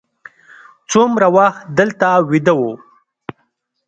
څومره وخت دلته ویده وو.